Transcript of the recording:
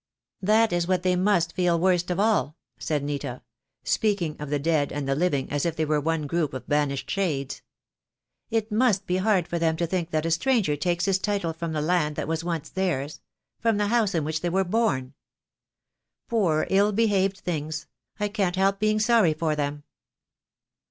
"That is what they must feel worst of all," said Nita, speaking of the dead and the living as if they were one group of banished shades. "It must be hard for them to think that a stranger takes his title from the land that was once theirs, from the house in which they were born. Poor ill behaved things, I can't help being sorry for them."